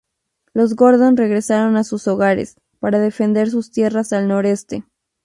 Los Gordon regresaron a sus hogares, para defender sus tierras al noreste.